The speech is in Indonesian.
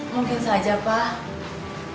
mungkin saja pak